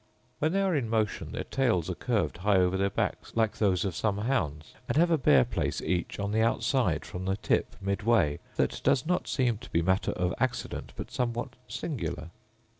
When they are in motion their tails are curved high over their backs like those of some hounds, and have a bare place each on the outside from the tip midway, that does not seem to be matter of accident, but somewhat singular.